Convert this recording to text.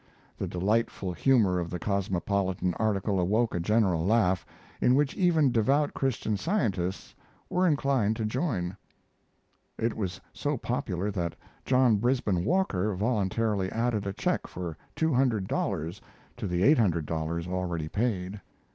The delightful humor of the Cosmopolitan article awoke a general laugh, in which even devout Christian Scientists were inclined to join. [It was so popular that John Brisben Walker voluntarily added a check for two hundred dollars to the eight hundred dollars already paid.